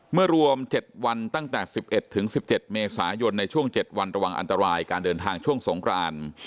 เมื่อรวม๗วันตั้งแต่๑๑๑๑๗เมษายนในช่วง๗วันระวังอันตรายการเดินทางช่วงสงคราน